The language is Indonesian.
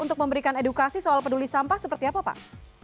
untuk memberikan edukasi soal peduli sampah seperti apa pak